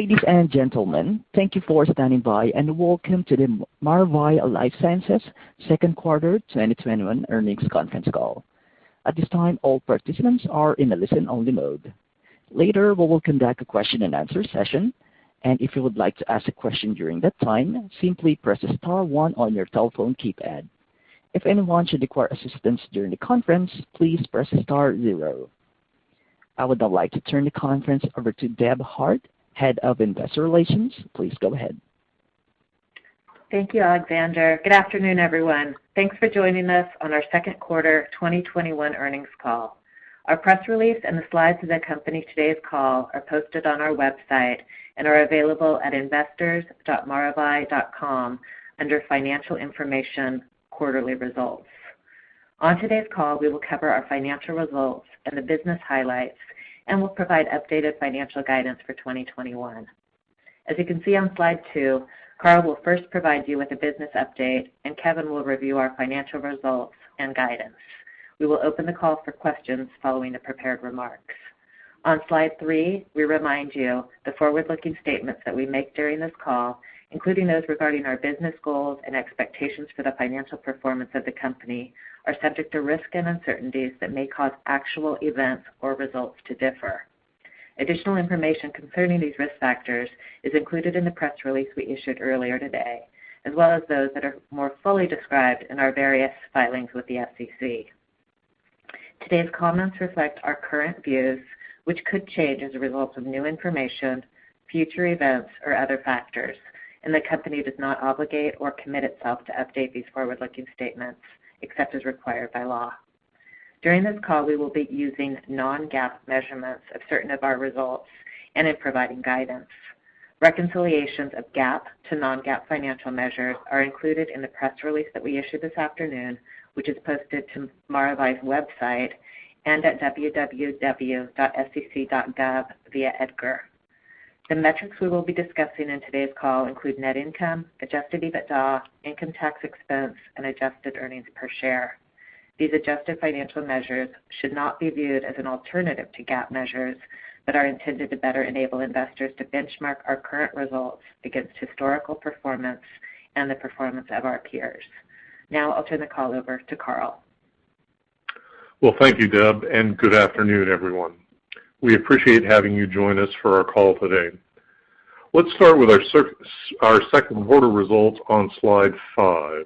Ladies and gentlemen, thank you for standing by and welcome to the Maravai LifeSciences second quarter 2021 earnings conference call. At this time, all participants are in a listen-only mode. Later, we will conduct a question and answer session, and if you would like to ask a question during that time, simply press star one on your telephone keypad. If anyone should require assistance during the conference, please press star zero. I would now like to turn the conference over to Deb Hart, Head of Investor Relations. Please go ahead. Thank you, Alexander. Good afternoon, everyone. Thanks for joining us on our second quarter 2021 earnings call. Our press release and the slides that accompany today's call are posted on our website and are available at investors.maravai.com under financial information quarterly results. On today's call, we will cover our financial results and the business highlights. We'll provide updated financial guidance for 2021. As you can see on slide two, Carl will first provide you with a business update. Kevin will review our financial results and guidance. We will open the call for questions following the prepared remarks. On slide three, we remind you the forward-looking statements that we make during this call, including those regarding our business goals and expectations for the financial performance of the company, are subject to risks and uncertainties that may cause actual events or results to differ. Additional information concerning these risk factors is included in the press release we issued earlier today, as well as those that are more fully described in our various filings with the SEC. Today's comments reflect our current views, which could change as a result of new information, future events, or other factors, and the company does not obligate or commit itself to update these forward-looking statements except as required by law. During this call, we will be using non-GAAP measurements of certain of our results and in providing guidance. Reconciliations of GAAP to non-GAAP financial measures are included in the press release that we issued this afternoon, which is posted to Maravai's website and at www.sec.gov via EDGAR. The metrics we will be discussing in today's call include net income, adjusted EBITDA, income tax expense, and adjusted earnings per share. These adjusted financial measures should not be viewed as an alternative to GAAP measures, but are intended to better enable investors to benchmark our current results against historical performance and the performance of our peers. Now I'll turn the call over to Carl. Well, thank you, Deb, and good afternoon, everyone. We appreciate having you join us for our call today. Let's start with our second quarter results on Slide five.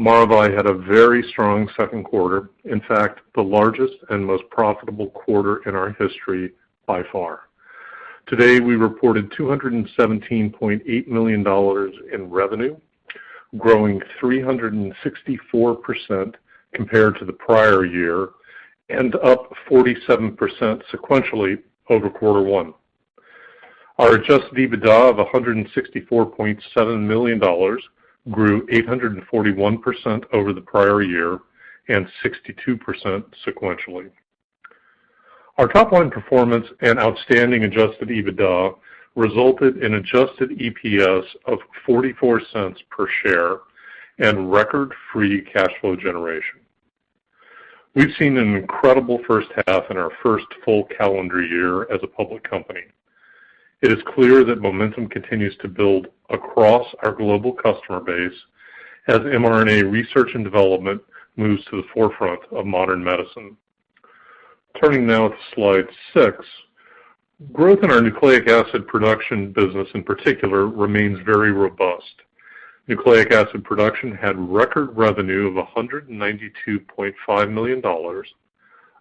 Maravai had a very strong second quarter, in fact, the largest and most profitable quarter in our history by far. Today, we reported $217.8 million in revenue, growing 364% compared to the prior year, and up 47% sequentially over quarter one. Our adjusted EBITDA of $164.7 million grew 841% over the prior year and 62% sequentially. Our top-line performance and outstanding adjusted EBITDA resulted in adjusted EPS of $0.44 per share and record free cash flow generation. We've seen an incredible first half in our first full calendar year as a public company. It is clear that momentum continues to build across our global customer base as mRNA research and development moves to the forefront of modern medicine. Turning now to slide six, growth in our Nucleic Acid Production business, in particular, remains very robust. Nucleic Acid Production had record revenue of $192.5 million,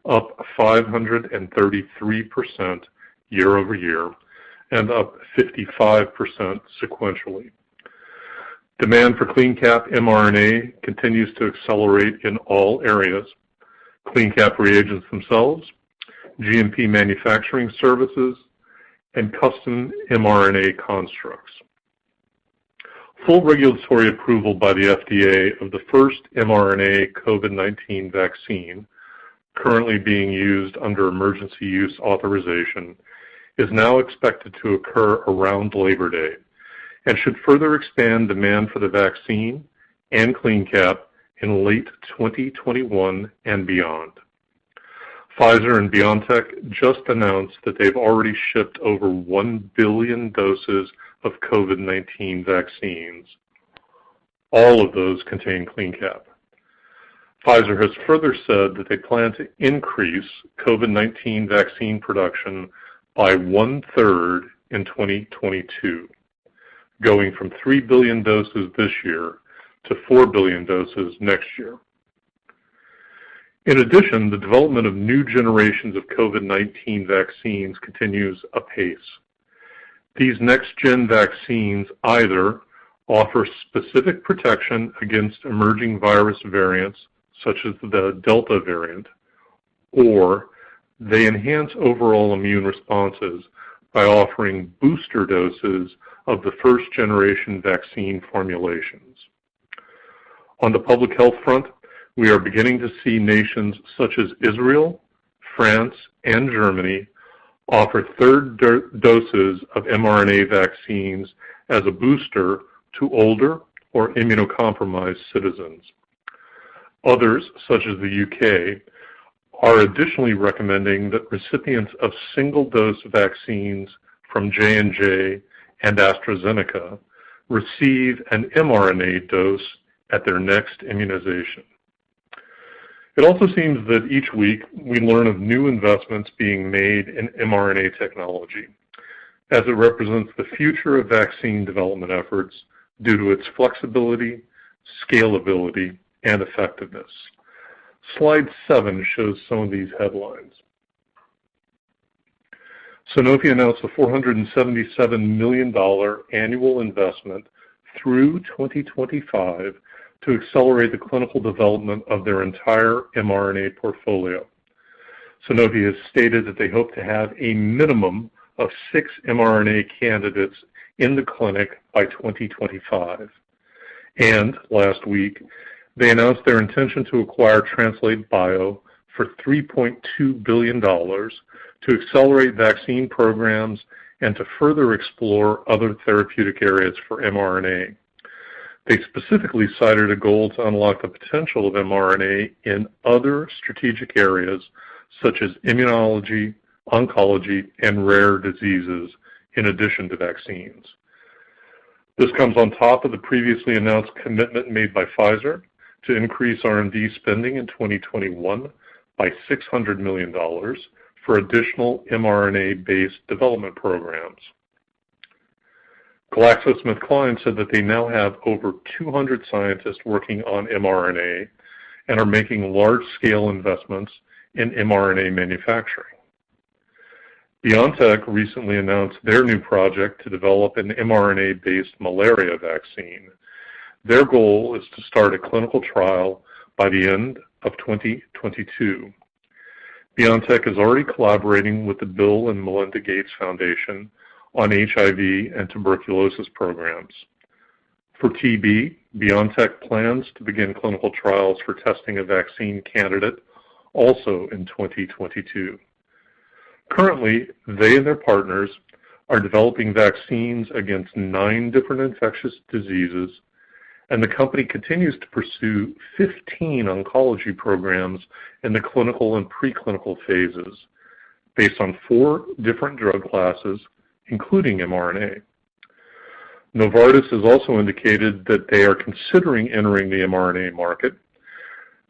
up 533% year-over-year and up 55% sequentially. Demand for CleanCap mRNA continues to accelerate in all areas. CleanCap reagents themselves, GMP manufacturing services, and custom mRNA constructs. Full regulatory approval by the FDA of the first mRNA COVID-19 vaccine currently being used under emergency use authorization is now expected to occur around Labor Day and should further expand demand for the vaccine and CleanCap in late 2021 and beyond. Pfizer and BioNTech just announced that they've already shipped over 1 billion doses of COVID-19 vaccines. All of those contain CleanCap. Pfizer has further said that they plan to increase COVID-19 vaccine production by one-third in 2022, going from 3 billion doses this year to 4 billion doses next year. In addition, the development of new generations of COVID-19 vaccines continues apace. These next-gen vaccines either offer specific protection against emerging virus variants such as the Delta variant, or they enhance overall immune responses by offering booster doses of the first-generation vaccine formulations. On the public health front, we are beginning to see nations such as Israel, France, and Germany offer third doses of mRNA vaccines as a booster to older or immunocompromised citizens. Others, such as the U.K., are additionally recommending that recipients of single-dose vaccines from J&J and AstraZeneca receive an mRNA dose at their next immunization. It also seems that each week we learn of new investments being made in mRNA technology as it represents the future of vaccine development efforts due to its flexibility, scalability, and effectiveness. Slide seven shows some of these headlines. Sanofi announced a $477 million annual investment through 2025 to accelerate the clinical development of their entire mRNA portfolio. Sanofi has stated that they hope to have a minimum of six mRNA candidates in the clinic by 2025. Last week, they announced their intention to acquire Translate Bio for $3.2 billion to accelerate vaccine programs and to further explore other therapeutic areas for mRNA. They specifically cited a goal to unlock the potential of mRNA in other strategic areas such as immunology, oncology, and rare diseases, in addition to vaccines. This comes on top of the previously announced commitment made by Pfizer to increase R&D spending in 2021 by $600 million for additional mRNA-based development programs. GlaxoSmithKline said that they now have over 200 scientists working on mRNA and are making large-scale investments in mRNA manufacturing. BioNTech recently announced their new project to develop an mRNA-based malaria vaccine. Their goal is to start a clinical trial by the end of 2022. BioNTech is already collaborating with the Bill & Melinda Gates Foundation on HIV and tuberculosis programs. For TB, BioNTech plans to begin clinical trials for testing a vaccine candidate also in 2022. Currently, they and their partners are developing vaccines against nine different infectious diseases, and the company continues to pursue 15 oncology programs in the clinical and pre-clinical phases based on four different drug classes, including mRNA. Novartis has also indicated that they are considering entering the mRNA market.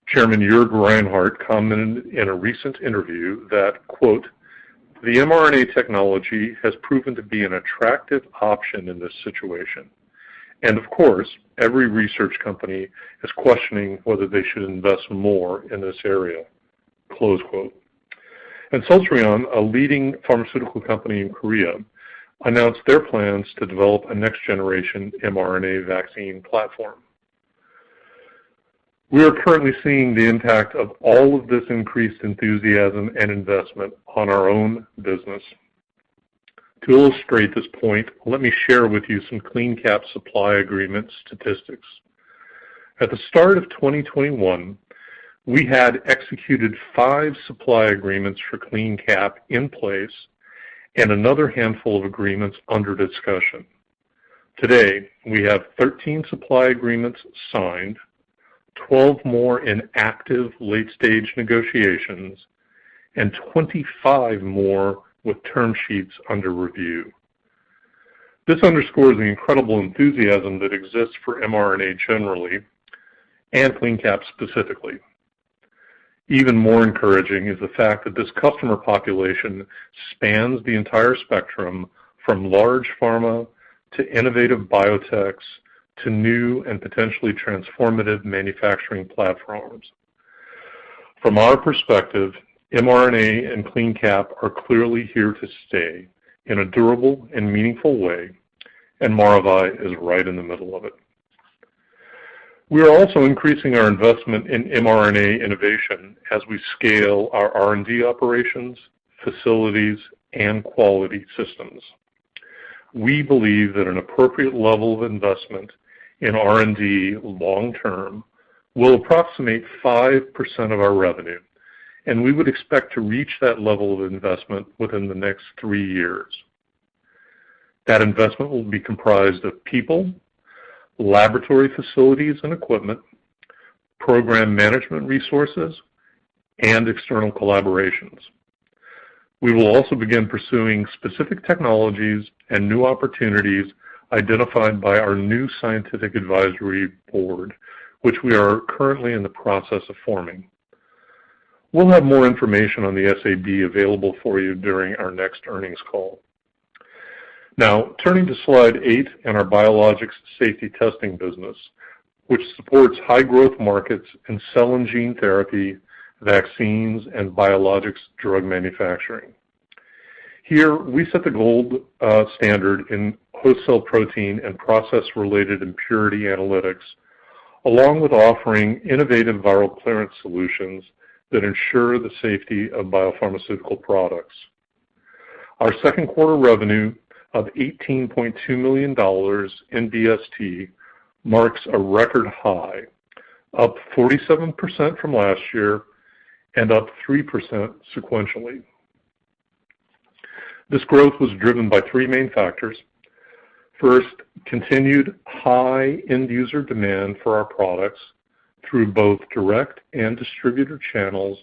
Chairman Jörg Reinhardt commented in a recent interview that, quote, "The mRNA technology has proven to be an attractive option in this situation. And of course, every research company is questioning whether they should invest more in this area." Close quote. Celltrion, a leading pharmaceutical company in Korea, announced their plans to develop a next-generation mRNA vaccine platform. We are currently seeing the impact of all of this increased enthusiasm and investment on our own business. To illustrate this point, let me share with you some CleanCap supply agreement statistics. At the start of 2021, we had executed five supply agreements for CleanCap in place and another handful of agreements under discussion. Today, we have 13 supply agreements signed, 12 more in active late-stage negotiations, and 25 more with term sheets under review. This underscores the incredible enthusiasm that exists for mRNA generally and CleanCap specifically. Even more encouraging is the fact that this customer population spans the entire spectrum from large pharma to innovative biotechs to new and potentially transformative manufacturing platforms. From our perspective, mRNA and CleanCap are clearly here to stay in a durable and meaningful way. Maravai is right in the middle of it. We are also increasing our investment in mRNA innovation as we scale our R&D operations, facilities, and quality systems. We believe that an appropriate level of investment in R&D long term will approximate 5% of our revenue. We would expect to reach that level of investment within the next three years. That investment will be comprised of people, laboratory facilities and equipment, program management resources, and external collaborations. We will also begin pursuing specific technologies and new opportunities identified by our new Scientific Advisory Board, which we are currently in the process of forming. We'll have more information on the SAB available for you during our next earnings call. Turning to slide eight in our Biologics Safety Testing business, which supports high growth markets in cell and gene therapy, vaccines, and biologics drug manufacturing. Here we set the gold standard in host cell protein and process-related impurity analytics, along with offering innovative viral clearance solutions that ensure the safety of biopharmaceutical products. Our second quarter revenue of $18.2 million in BST marks a record high, up 47% from last year and up 3% sequentially. This growth was driven by three main factors. First, continued high end user demand for our products through both direct and distributor channels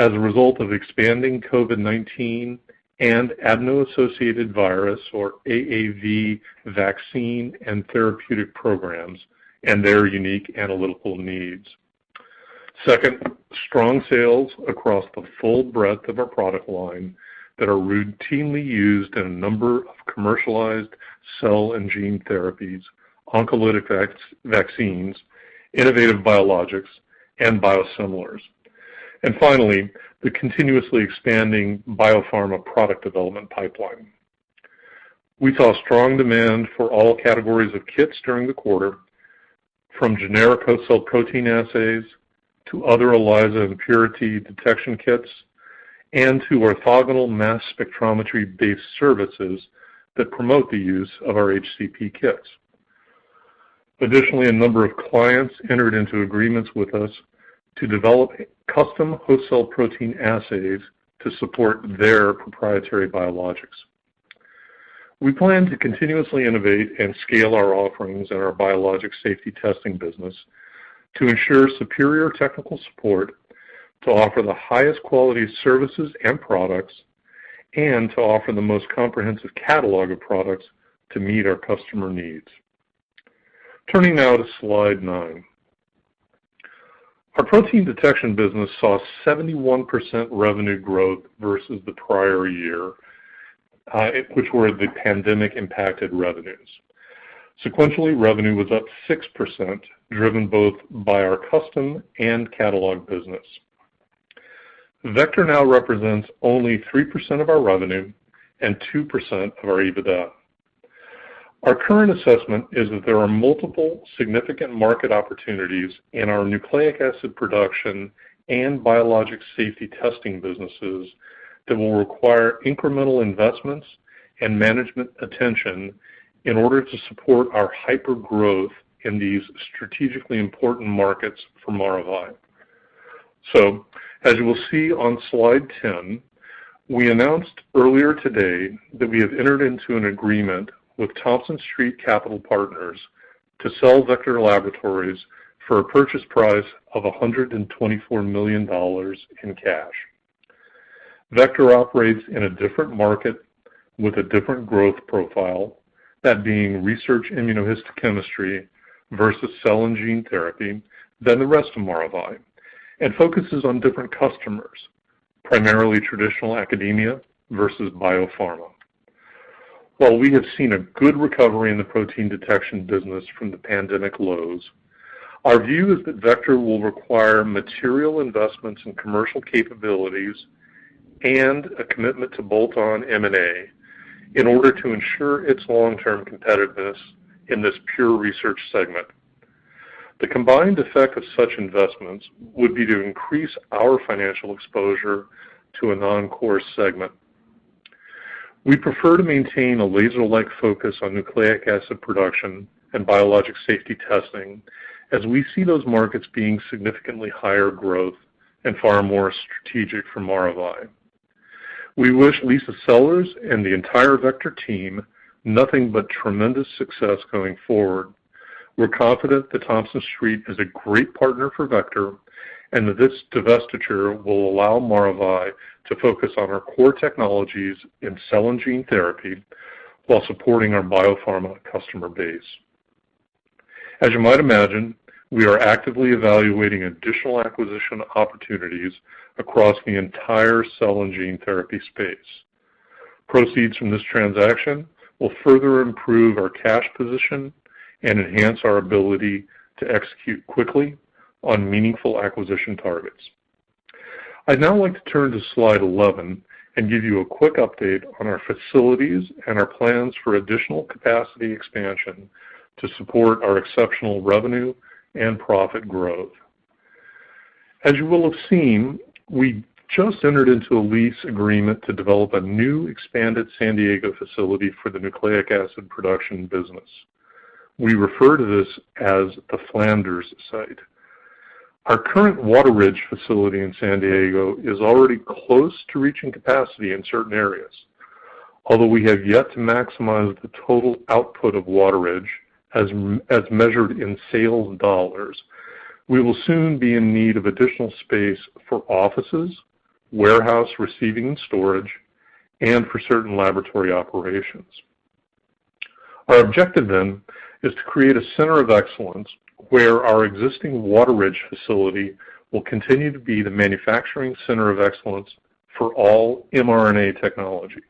as a result of expanding COVID-19 and Adeno-Associated Virus, or AAV, vaccine and therapeutic programs and their unique analytical needs. Second, strong sales across the full breadth of our product line that are routinely used in a number of commercialized cell and gene therapies, oncolytic vaccines, innovative biologics, and biosimilars. Finally, the continuously expanding biopharma product development pipeline. We saw strong demand for all categories of kits during the quarter, from generic host cell protein assays to other ELISA and purity detection kits, and to orthogonal mass spectrometry-based services that promote the use of our HCP kits. A number of clients entered into agreements with us to develop custom host cell protein assays to support their proprietary biologics. We plan to continuously innovate and scale our offerings in our Biologics Safety Testing business to ensure superior technical support, to offer the highest quality services and products, and to offer the most comprehensive catalog of products to meet our customer needs. Turning now to slide nine. Our Protein Detection business saw 71% revenue growth versus the prior year, which were the pandemic-impacted revenues. Sequentially, revenue was up 6%, driven both by our custom and catalog business. Vector now represents only 3% of our revenue and 2% of our EBITDA. Our current assessment is that there are multiple significant market opportunities in our Nucleic Acid Production and Biologics Safety Testing businesses that will require incremental investments and management attention in order to support our hyper-growth in these strategically important markets for Maravai. As you will see on slide 10, we announced earlier today that we have entered into an agreement with Thompson Street Capital Partners to sell Vector Laboratories for a purchase price of $124 million in cash. Vector operates in a different market with a different growth profile, that being research immunohistochemistry versus cell and gene therapy than the rest of Maravai, and focuses on different customers, primarily traditional academia versus biopharma. While we have seen a good recovery in the protein detection business from the pandemic lows, our view is that Vector will require material investments in commercial capabilities and a commitment to bolt-on M&A in order to ensure its long-term competitiveness in this pure research segment. The combined effect of such investments would be to increase our financial exposure to a non-core segment. We prefer to maintain a laser-like focus on Nucleic Acid Production and Biologics Safety Testing as we see those markets being significantly higher growth and far more strategic for Maravai. We wish Lisa Sellers and the entire Vector team nothing but tremendous success going forward. We're confident that Thompson Street is a great partner for Vector and that this divestiture will allow Maravai to focus on our core technologies in cell and gene therapy while supporting our biopharma customer base. As you might imagine, we are actively evaluating additional acquisition opportunities across the entire cell and gene therapy space. Proceeds from this transaction will further improve our cash position and enhance our ability to execute quickly on meaningful acquisition targets. I'd now like to turn to slide 11 and give you a quick update on our facilities and our plans for additional capacity expansion to support our exceptional revenue and profit growth. As you will have seen, we just entered into a lease agreement to develop a new expanded San Diego facility for the Nucleic Acid Production business. We refer to this as the Flanders site. Our current Wateridge facility in San Diego is already close to reaching capacity in certain areas. Although we have yet to maximize the total output of Wateridge as measured in sales dollars, we will soon be in need of additional space for offices, warehouse receiving and storage, and for certain laboratory operations. Our objective then is to create a center of excellence where our existing Wateridge facility will continue to be the manufacturing center of excellence for all mRNA technologies.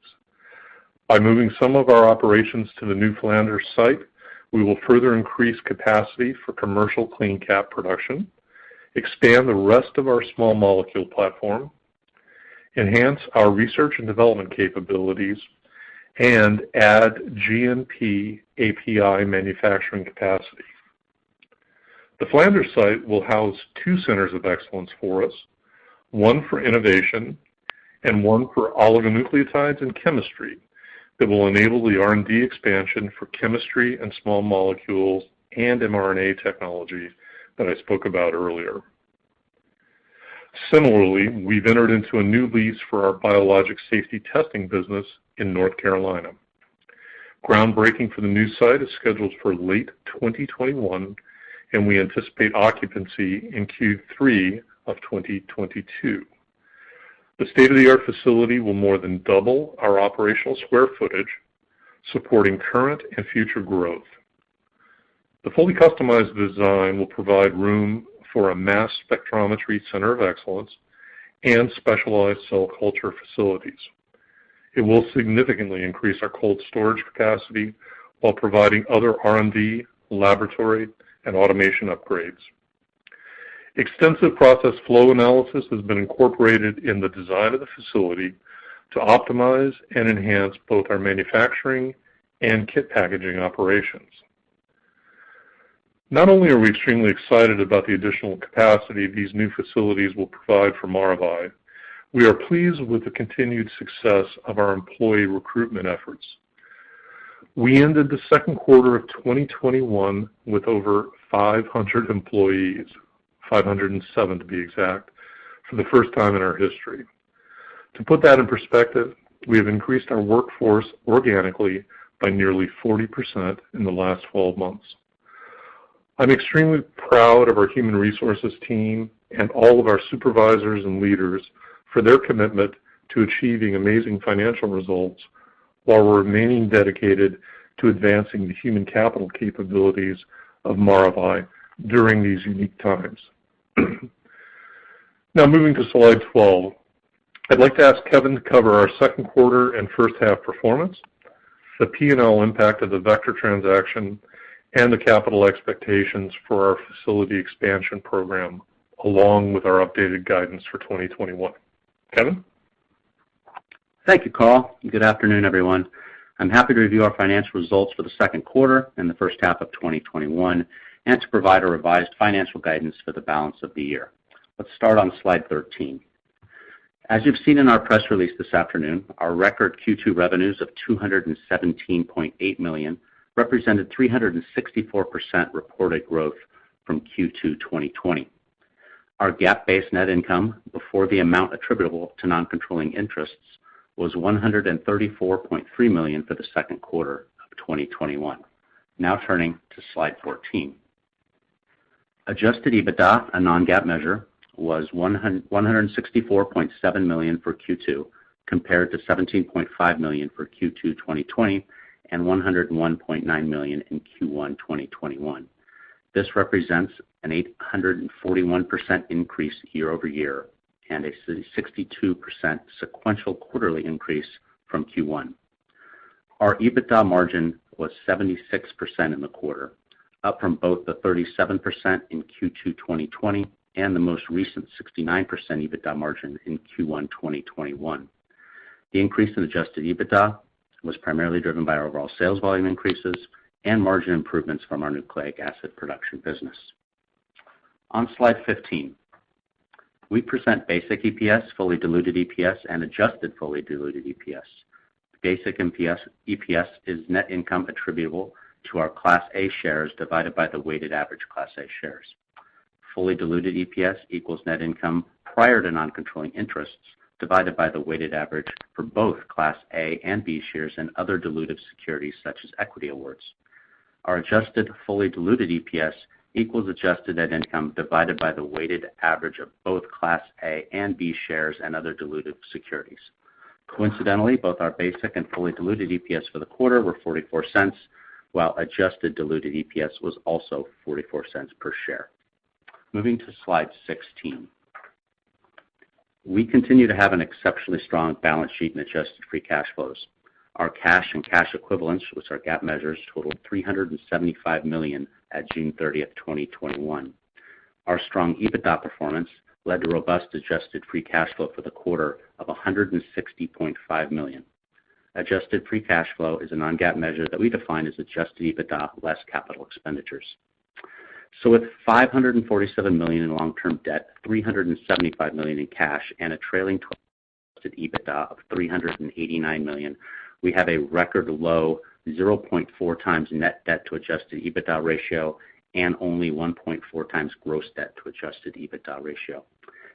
By moving some of our operations to the new Flanders site, we will further increase capacity for commercial CleanCap production, expand the rest of our small molecule platform, enhance our research and development capabilities, and add GMP API manufacturing capacity. The Flanders site will house two centers of excellence for us, one for innovation and one for oligonucleotides and chemistry that will enable the R&D expansion for chemistry and small molecules and mRNA technology that I spoke about earlier. Similarly, we've entered into a new lease for our Biologics Safety Testing business in North Carolina. Groundbreaking for the new site is scheduled for late 2021, and we anticipate occupancy in Q3 of 2022. The state-of-the-art facility will more than double our operational square footage, supporting current and future growth. The fully customized design will provide room for a mass spectrometry center of excellence and specialized cell culture facilities. It will significantly increase our cold storage capacity while providing other R&D, laboratory, and automation upgrades. Extensive process flow analysis has been incorporated in the design of the facility to optimize and enhance both our manufacturing and kit packaging operations. Not only are we extremely excited about the additional capacity these new facilities will provide for Maravai, we are pleased with the continued success of our employee recruitment efforts. We ended the second quarter of 2021 with over 500 employees, 507 to be exact, for the first time in our history. To put that in perspective, we have increased our workforce organically by nearly 40% in the last 12 months. I'm extremely proud of our human resources team and all of our supervisors and leaders for their commitment to achieving amazing financial results while remaining dedicated to advancing the human capital capabilities of Maravai during these unique times. Now, moving to slide 12, I'd like to ask Kevin to cover our second quarter and first half performance, the P&L impact of the Vector transaction, and the capital expectations for our facility expansion program, along with our updated guidance for 2021. Kevin? Thank you, Carl, and good afternoon, everyone. I'm happy to review our financial results for the second quarter and the first half of 2021 and to provide a revised financial guidance for the balance of the year. Let's start on Slide 13. You've seen in our press release this afternoon, our record Q2 revenues of $217.8 million represented 364% reported growth from Q2 2020. Our GAAP-based net income before the amount attributable to non-controlling interests was $134.3 million for the second quarter of 2021. Now turning to Slide 14. Adjusted EBITDA, a non-GAAP measure, was $164.7 million for Q2, compared to $17.5 million for Q2 2020 and $101.9 million in Q1 2021. This represents an 841% increase year-over-year and a 62% sequential quarterly increase from Q1. Our EBITDA margin was 76% in the quarter, up from both the 37% in Q2 2020 and the most recent 69% EBITDA margin in Q1 2021. The increase in adjusted EBITDA was primarily driven by overall sales volume increases and margin improvements from our Nucleic Acid Production business. On Slide 15, we present basic EPS, fully diluted EPS, and adjusted fully diluted EPS. Basic EPS is net income attributable to our Class A shares divided by the weighted average Class A shares. Fully diluted EPS equals net income prior to non-controlling interests divided by the weighted average for both Class A and B shares and other dilutive securities such as equity awards. Our adjusted fully diluted EPS equals adjusted net income divided by the weighted average of both Class A and B shares and other dilutive securities. Coincidentally, both our basic and fully diluted EPS for the quarter were $0.44, while adjusted diluted EPS was also $0.44 per share. Moving to Slide 16. We continue to have an exceptionally strong balance sheet and adjusted free cash flows. Our cash and cash equivalents with our GAAP measures totaled $375 million at June 30th, 2021. Our strong EBITDA performance led to robust adjusted free cash flow for the quarter of $160.5 million. Adjusted free cash flow is a non-GAAP measure that we define as adjusted EBITDA less capital expenditures. With $547 million in long-term debt, $375 million in cash, and a trailing adjusted EBITDA of $389 million, we have a record low 0.4x net debt to adjusted EBITDA ratio and only 1.4x gross debt to adjusted EBITDA ratio.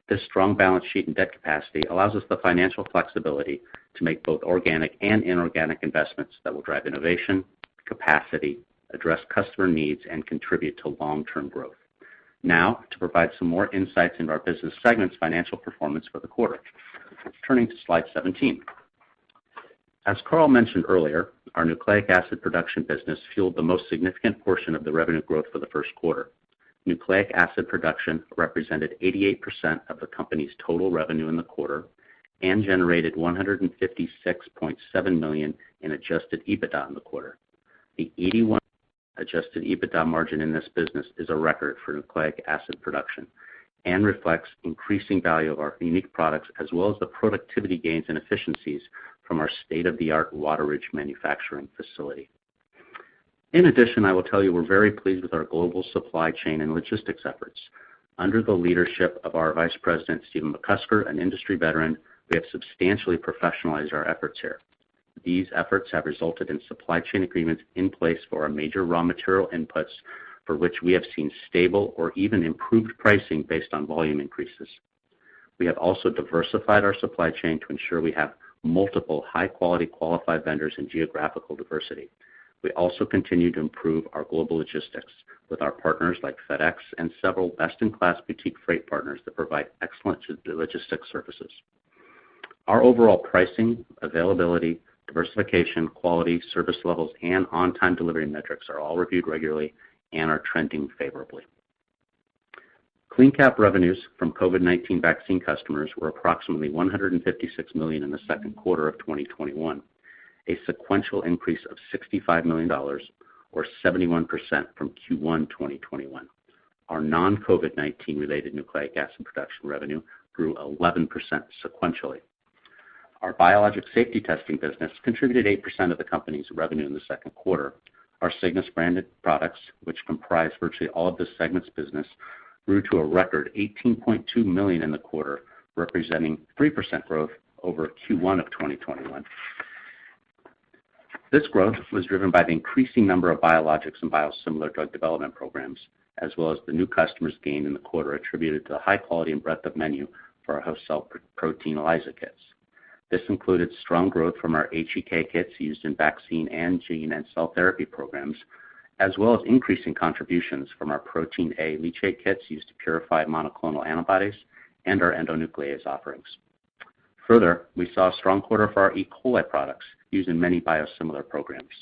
This strong balance sheet and debt capacity allows us the financial flexibility to make both organic and inorganic investments that will drive innovation, capacity, address customer needs, and contribute to long-term growth. To provide some more insights into our business segment's financial performance for the quarter. Turning to Slide 17. As Carl mentioned earlier, our Nucleic Acid Production business fueled the most significant portion of the revenue growth for the first quarter. Nucleic Acid Production represented 88% of the company's total revenue in the quarter and generated $156.7 million in adjusted EBITDA in the quarter. The 81% adjusted EBITDA margin in this business is a record for Nucleic Acid Production and reflects increasing value of our unique products as well as the productivity gains and efficiencies from our state-of-the-art Wateridge manufacturing facility. I will tell you we're very pleased with our global supply chain and logistics efforts. Under the leadership of our Vice President, Stephen McCusker, an industry veteran, we have substantially professionalized our efforts here. These efforts have resulted in supply chain agreements in place for our major raw material inputs, for which we have seen stable or even improved pricing based on volume increases. We have also diversified our supply chain to ensure we have multiple high-quality qualified vendors and geographical diversity. We also continue to improve our global logistics with our partners like FedEx and several best-in-class boutique freight partners that provide excellent logistics services. Our overall pricing, availability, diversification, quality, service levels, and on-time delivery metrics are all reviewed regularly and are trending favorably. CleanCap revenues from COVID-19 vaccine customers were approximately $156 million in the second quarter of 2021, a sequential increase of $65 million or 71% from Q1 2021. Our non-COVID-19 related Nucleic Acid Production revenue grew 11% sequentially. Our Biologics Safety Testing business contributed 8% of the company's revenue in the second quarter. Our Cygnus-branded products, which comprise virtually all of the segment's business, grew to a record $18.2 million in the quarter, representing 3% growth over Q1 of 2021. This growth was driven by the increasing number of biologics and biosimilar drug development programs, as well as the new customers gained in the quarter attributed to the high quality and breadth of menu for our host cell protein ELISA kits. This included strong growth from our HEK kits used in vaccine and gene and cell therapy programs, as well as increasing contributions from our protein A leachate kits used to purify monoclonal antibodies and our endonuclease offerings. Further, we saw a strong quarter for our E. coli products used in many biosimilar programs.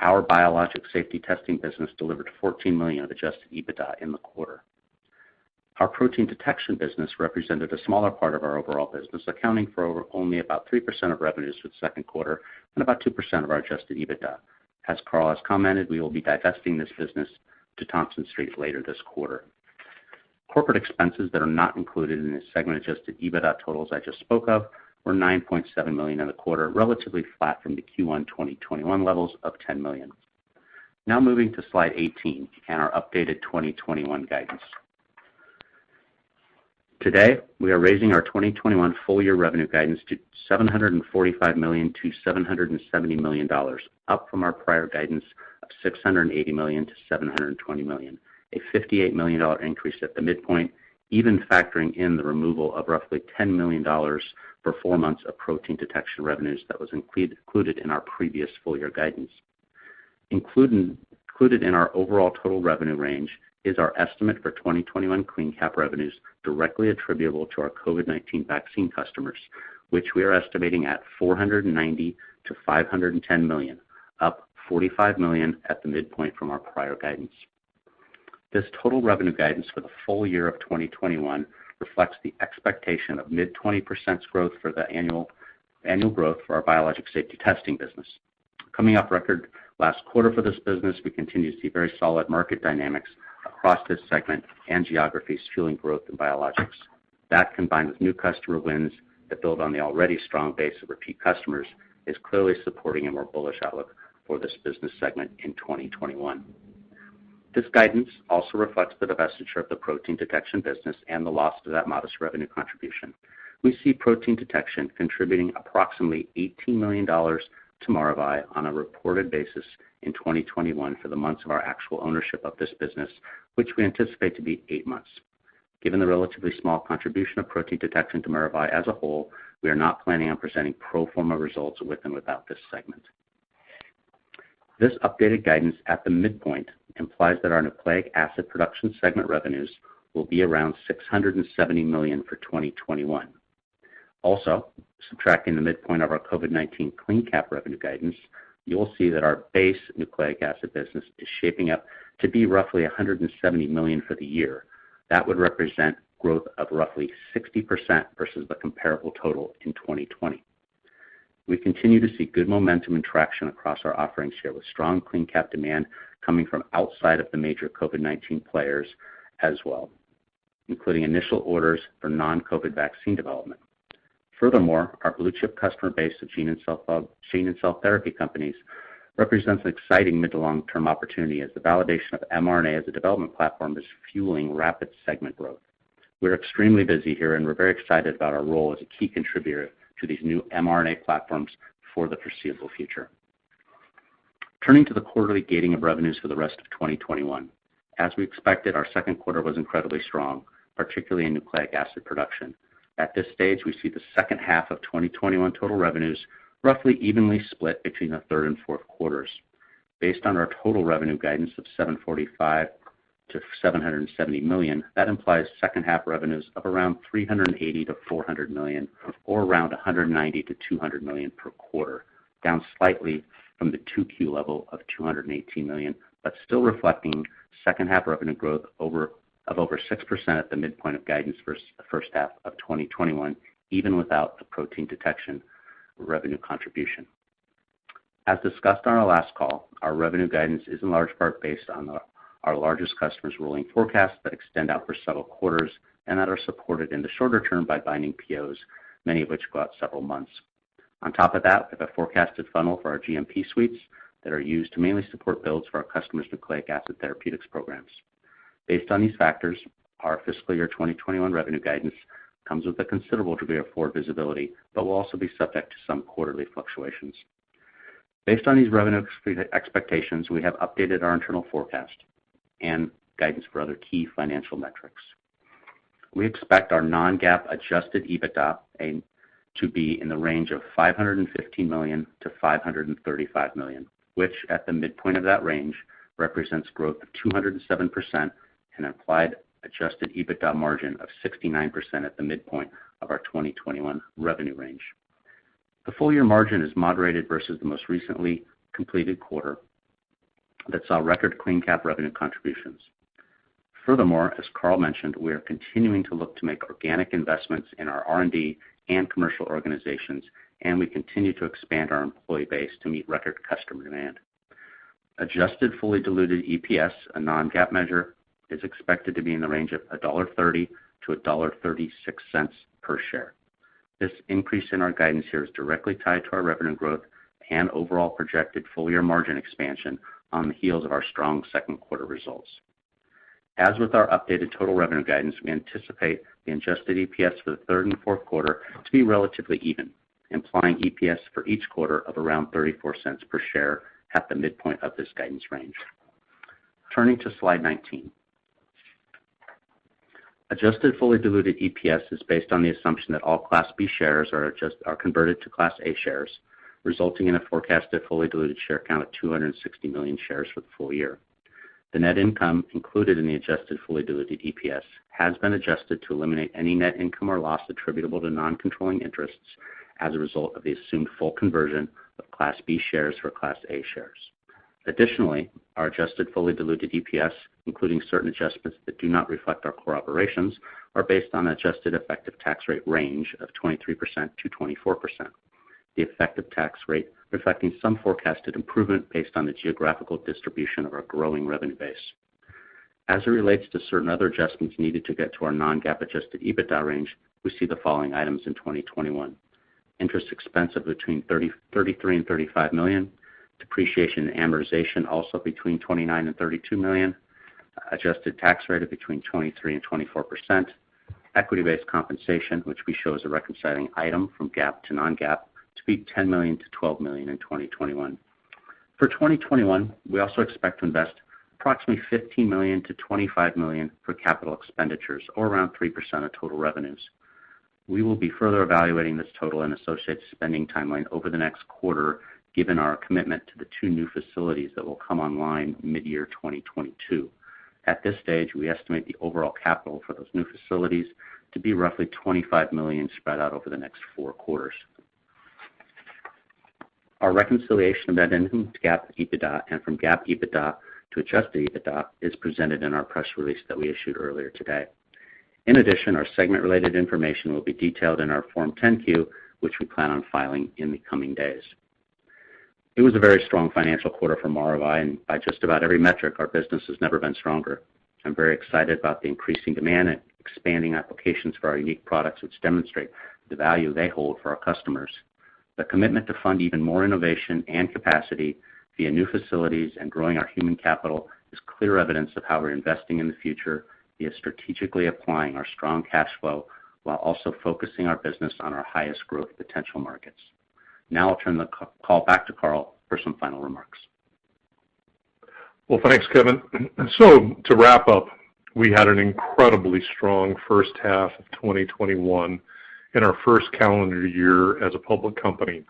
Our Biologics Safety Testing business delivered $14 million of adjusted EBITDA in the quarter. Our protein detection business represented a smaller part of our overall business, accounting for only about 3% of revenues for the second quarter and about 2% of our adjusted EBITDA. As Carl has commented, we will be divesting this business to Thompson Street later this quarter. Corporate expenses that are not included in the segment adjusted EBITDA totals I just spoke of were $9.7 million in the quarter, relatively flat from the Q1 2021 levels of $10 million. Moving to slide 18 and our updated 2021 guidance. Today, we are raising our 2021 full-year revenue guidance to $745 million-$770 million, up from our prior guidance of $680 million-$720 million, a $58 million increase at the midpoint, even factoring in the removal of roughly $10 million for four months of protein detection revenues that was included in our previous full-year guidance. Included in our overall total revenue range is our estimate for 2021 CleanCap revenues directly attributable to our COVID-19 vaccine customers, which we are estimating at $490 million-$510 million, up $45 million at the midpoint from our prior guidance. This total revenue guidance for the full year of 2021 reflects the expectation of mid-20% growth for the annual growth for our Biologics Safety Testing business. Coming off record last quarter for this business, we continue to see very solid market dynamics across this segment and geographies fueling growth in biologics. That, combined with new customer wins that build on the already strong base of repeat customers, is clearly supporting a more bullish outlook for this business segment in 2021. This guidance also reflects the divestiture of the Protein Detection business and the loss of that modest revenue contribution. We see Protein Detection contributing approximately $18 million to Maravai on a reported basis in 2021 for the months of our actual ownership of this business, which we anticipate to be eight months. Given the relatively small contribution of Protein Detection to Maravai as a whole, we are not planning on presenting pro forma results with and without this segment. This updated guidance at the midpoint implies that our Nucleic Acid Production segment revenues will be around $670 million for 2021. Subtracting the midpoint of our COVID-19 CleanCap revenue guidance, you will see that our base nucleic acid business is shaping up to be roughly $170 million for the year. That would represent growth of roughly 60% versus the comparable total in 2020. We continue to see good momentum and traction across our offerings here with strong CleanCap demand coming from outside of the major COVID-19 players as well, including initial orders for non-COVID vaccine development. Furthermore, our blue-chip customer base of gene and cell therapy companies represents an exciting mid to long-term opportunity as the validation of mRNA as a development platform is fueling rapid segment growth. We're extremely busy here, and we're very excited about our role as a key contributor to these new mRNA platforms for the foreseeable future. Turning to the quarterly gating of revenues for the rest of 2021, as we expected, our second quarter was incredibly strong, particularly in Nucleic Acid Production. At this stage, we see the second half of 2021 total revenues roughly evenly split between the third and fourth quarters. Based on our total revenue guidance of $745 million-$770 million, that implies second half revenues of around $380 million-$400 million or around $190 million-$200 million per quarter, down slightly from the 2Q level of $218 million, but still reflecting second half revenue growth of over 6% at the midpoint of guidance for first half of 2021, even without the Protein Detection revenue contribution. As discussed on our last call, our revenue guidance is in large part based on our largest customers' rolling forecasts that extend out for several quarters and that are supported in the shorter term by binding POs, many of which go out several months. On top of that, we have a forecasted funnel for our GMP suites that are used to mainly support builds for our customers' nucleic acid therapeutics programs. Based on these factors, our fiscal year 2021 revenue guidance comes with a considerable degree of poor visibility, will also be subject to some quarterly fluctuations. Based on these revenue expectations, we have updated our internal forecast and guidance for other key financial metrics. We expect our non-GAAP adjusted EBITDA to be in the range of $515 million-$535 million, which at the midpoint of that range represents growth of 207% and implied adjusted EBITDA margin of 69% at the midpoint of our 2021 revenue range. The full-year margin is moderated versus the most recently completed quarter that saw record CleanCap revenue contributions. Furthermore, as Carl mentioned, we are continuing to look to make organic investments in our R&D and commercial organizations, and we continue to expand our employee base to meet record customer demand. Adjusted fully diluted EPS, a non-GAAP measure, is expected to be in the range of $1.30-$1.36 per share. This increase in our guidance here is directly tied to our revenue growth and overall projected full-year margin expansion on the heels of our strong second quarter results. As with our updated total revenue guidance, we anticipate the adjusted EPS for the third and fourth quarter to be relatively even, implying EPS for each quarter of around $0.34 per share at the midpoint of this guidance range. Turning to slide 19. Adjusted fully diluted EPS is based on the assumption that all Class B shares are converted to Class A shares, resulting in a forecasted fully diluted share count of 260 million shares for the full year. The net income included in the adjusted fully diluted EPS has been adjusted to eliminate any net income or loss attributable to non-controlling interests as a result of the assumed full conversion of Class B shares for Class A shares. Additionally, our adjusted fully diluted EPS, including certain adjustments that do not reflect our core operations, are based on adjusted effective tax rate range of 23%-24%. The effective tax rate reflecting some forecasted improvement based on the geographical distribution of our growing revenue base. As it relates to certain other adjustments needed to get to our non-GAAP adjusted EBITDA range, we see the following items in 2021. Interest expense of between $33 million and $35 million, depreciation and amortization also between $29 million and $32 million, adjusted tax rate of between 23% and 24%, equity-based compensation, which we show as a reconciling item from GAAP to non-GAAP, to be $10 million-$12 million in 2021. For 2021, we also expect to invest approximately $15 million-$25 million for capital expenditures or around 3% of total revenues. We will be further evaluating this total and associated spending timeline over the next quarter, given our commitment to the two new facilities that will come online mid-year 2022. At this stage, we estimate the overall capital for those new facilities to be roughly $25 million spread out over the next four quarters. Our reconciliation of net income to GAAP EBITDA and from GAAP EBITDA to adjusted EBITDA is presented in our press release that we issued earlier today. Our segment-related information will be detailed in our Form 10-Q, which we plan on filing in the coming days. It was a very strong financial quarter for Maravai, by just about every metric, our business has never been stronger. I'm very excited about the increasing demand and expanding applications for our unique products, which demonstrate the value they hold for our customers. The commitment to fund even more innovation and capacity via new facilities and growing our human capital is clear evidence of how we're investing in the future via strategically applying our strong cash flow while also focusing our business on our highest growth potential markets. I'll turn the call back to Carl for some final remarks. Well, thanks, Kevin. To wrap up, we had an incredibly strong first half of 2021 in our first calendar year as a public company.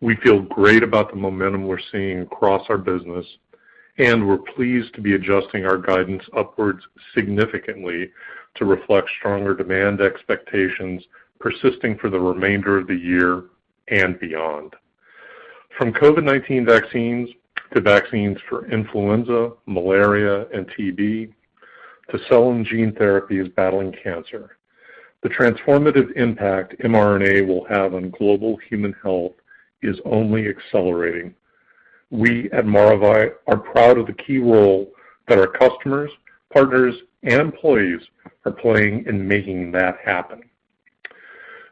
We feel great about the momentum we're seeing across our business, and we're pleased to be adjusting our guidance upwards significantly to reflect stronger demand expectations persisting for the remainder of the year and beyond. From COVID-19 vaccines to vaccines for influenza, malaria, and TB, to cell and gene therapies battling cancer, the transformative impact mRNA will have on global human health is only accelerating. We at Maravai are proud of the key role that our customers, partners, and employees are playing in making that happen.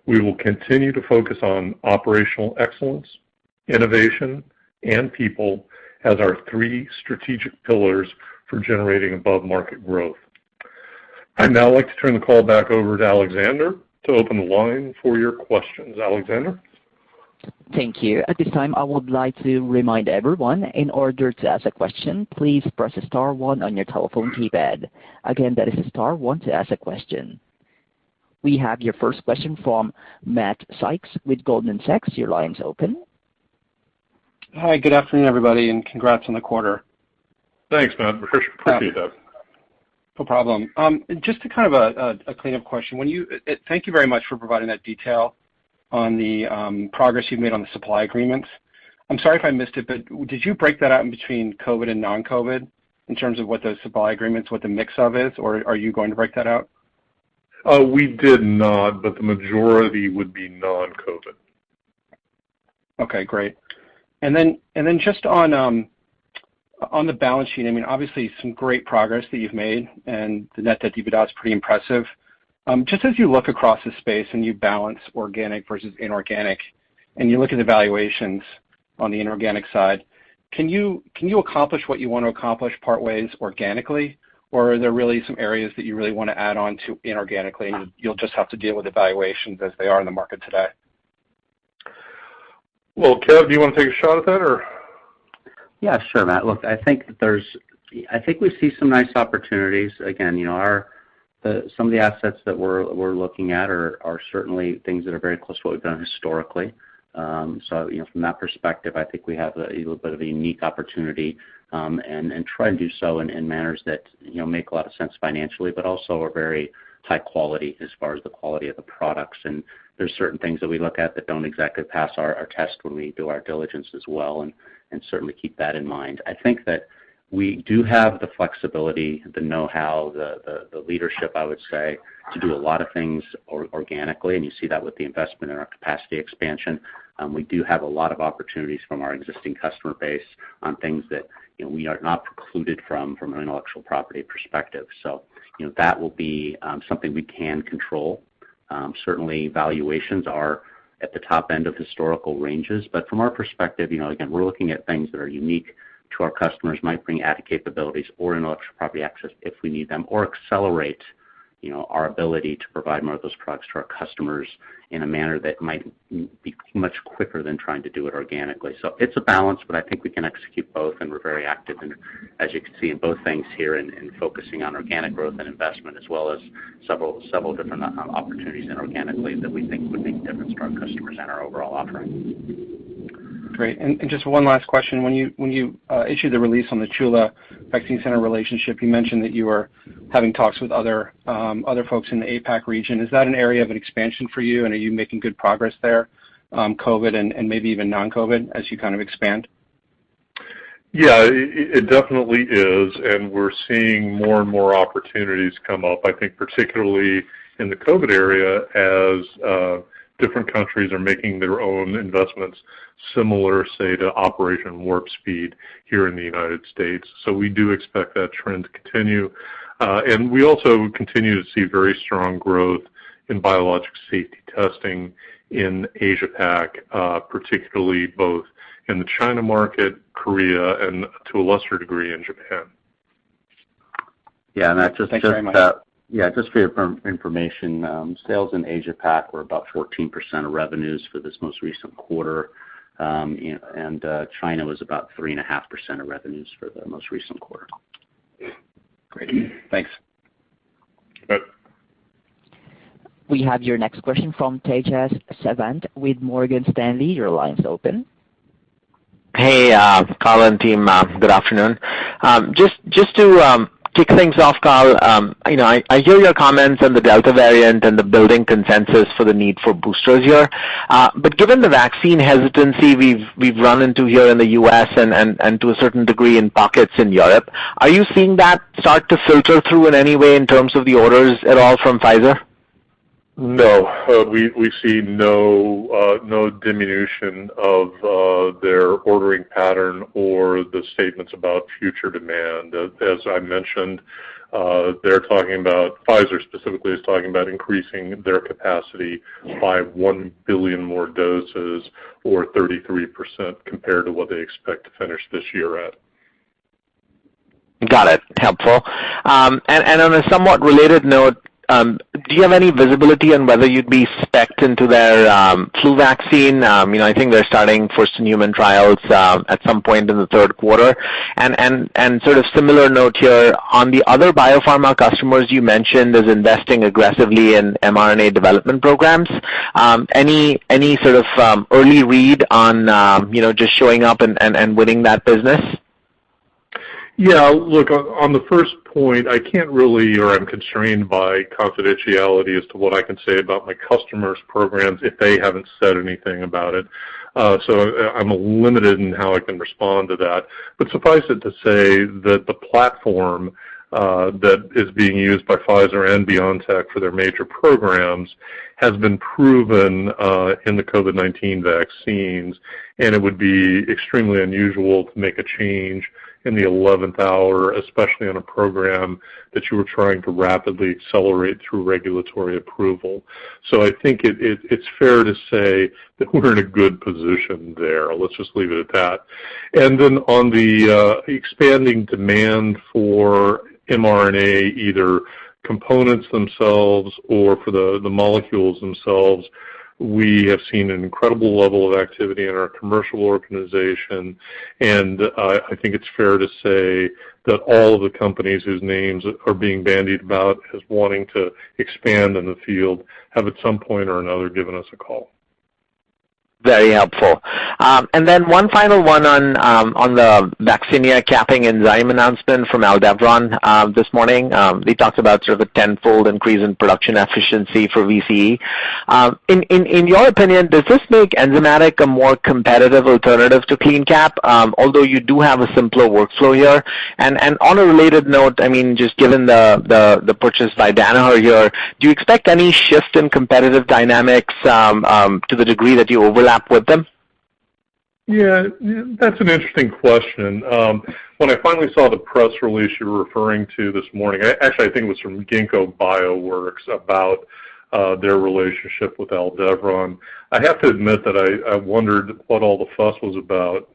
We will continue to focus on operational excellence, innovation, and people as our three strategic pillars for generating above-market growth. I'd now like to turn the call back over to Alexander to open the line for your questions. Alexander? Thank you. At this time, I would like to remind everyone, in order to ask a question, please press star one on your telephone keypad. Again, that is star one to ask a question. We have your first question from Matt Sykes with Goldman Sachs. Your line is open. Hi, good afternoon, everybody, and congrats on the quarter. Thanks, Matt. We sure appreciate that. No problem. Just kind of a cleanup question. Thank you very much for providing that detail on the progress you've made on the supply agreements. I'm sorry if I missed it, but did you break that out in between COVID and non-COVID in terms of what those supply agreements, what the mix of is? Are you going to break that out? We did not. The majority would be non-COVID. Okay, great. I mean, obviously some great progress that you've made and the net debt to EBITDA is pretty impressive. Just as you look across the space and you balance organic versus inorganic, and you look at the valuations on the inorganic side, can you accomplish what you want to accomplish part ways organically? Are there really some areas that you really want to add on to inorganically, and you'll just have to deal with the valuations as they are in the market today? Well, Kev, do you want to take a shot at that or? Yeah, sure, Matt. Look, I think we see some nice opportunities. Again, some of the assets that we're looking at are certainly things that are very close to what we've done historically. From that perspective, I think we have a little bit of a unique opportunity, and try to do so in manners that make a lot of sense financially, but also are very high quality as far as the quality of the products. There's certain things that we look at that don't exactly pass our tests when we do our diligence as well, and certainly keep that in mind. I think that we do have the flexibility, the know-how, the leadership, I would say, to do a lot of things organically, you see that with the investment in our capacity expansion. We do have a lot of opportunities from our existing customer base on things that we are not precluded from an intellectual property perspective. That will be something we can control. Certainly, valuations are at the top end of historical ranges, but from our perspective, again, we're looking at things that are unique to our customers, might bring added capabilities or intellectual property access if we need them, or accelerate our ability to provide more of those products to our customers in a manner that might be much quicker than trying to do it organically. It's a balance, but I think we can execute both, and we're very active, as you can see, in both things here in focusing on organic growth and investment, as well as several different opportunities inorganically that we think would make a difference to our customers and our overall offering. Great. Just one last question. When you issued the release on the Chula Vaccine Research Center relationship, you mentioned that you were having talks with other folks in the APAC region. Is that an area of an expansion for you, and are you making good progress there, COVID and maybe even non-COVID, as you kind of expand? Yeah, it definitely is, we're seeing more and more opportunities come up, I think particularly in the COVID area as different countries are making their own investments similar, say, to Operation Warp Speed here in the U.S. We do expect that trend to continue. We also continue to see very strong growth in Biologics Safety Testing in Asia Pac, particularly both in the China market, Korea, and to a lesser degree, in Japan. Yeah, Matt. Thanks very much. Yeah, just for your information, sales in Asia Pac were about 14% of revenues for this most recent quarter. China was about 3.5% of revenues for the most recent quarter. Great. Thanks. Yep. We have your next question from Tejas Savant with Morgan Stanley. Your line's open. Hey, Carl and team. Good afternoon. Just to kick things off, Carl, I hear your comments on the Delta variant and the building consensus for the need for boosters here. Given the vaccine hesitancy we've run into here in the U.S. and to a certain degree in pockets in Europe, are you seeing that start to filter through in any way in terms of the orders at all from Pfizer? No. We see no diminution of their ordering pattern or the statements about future demand. As I mentioned, Pfizer specifically is talking about increasing their capacity by 1 billion more doses or 33% compared to what they expect to finish this year at. Got it. Helpful. On a somewhat related note, do you have any visibility on whether you'd be specced into their flu vaccine? I think they're starting first human trials at some point in the third quarter. Sort of similar note here, on the other biopharma customers you mentioned as investing aggressively in mRNA development programs, any sort of early read on just showing up and winning that business? Yeah. Look, on the first point, I'm constrained by confidentiality as to what I can say about my customers' programs if they haven't said anything about it. I'm limited in how I can respond to that. Suffice it to say that the platform that is being used by Pfizer and BioNTech for their major programs has been proven in the COVID-19 vaccines, and it would be extremely unusual to make a change in the 11th hour, especially on a program that you were trying to rapidly accelerate through regulatory approval. I think it's fair to say that we're in a good position there. Let's just leave it at that. On the expanding demand for mRNA, either components themselves or for the molecules themselves, we have seen an incredible level of activity in our commercial organization. I think it's fair to say that all of the companies whose names are being bandied about as wanting to expand in the field have at some point or another given us a call. Very helpful. Then one final one on the vaccinia capping enzyme announcement from Aldevron this morning. They talked about sort of a 10-fold increase in production efficiency for VCE. In your opinion, does this make enzymatic a more competitive alternative to CleanCap, although you do have a simpler workflow here? On a related note, just given the purchase by Danaher here, do you expect any shift in competitive dynamics to the degree that you overlap with them? Yeah. That's an interesting question. When I finally saw the press release you were referring to this morning, actually, I think it was from Ginkgo Bioworks about their relationship with Aldevron. I have to admit that I wondered what all the fuss was about.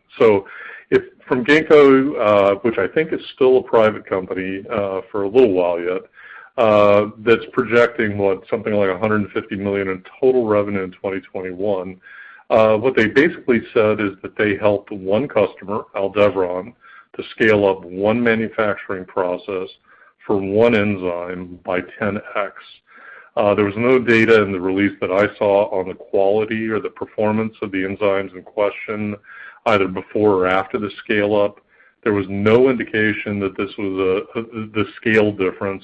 If from Ginkgo, which I think is still a private company, for a little while yet, that's projecting what something like $150 million in total revenue in 2021. What they basically said is that they helped one customer, Aldevron, to scale up one manufacturing process for one enzyme by 10x. There was no data in the release that I saw on the quality or the performance of the enzymes in question, either before or after the scale up. There was no indication that the scale difference